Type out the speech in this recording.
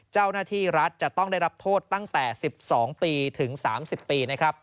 เจ้าหน้าที่รัฐจะต้องได้รับโทษตั้งแต่๑๒๓๐ปี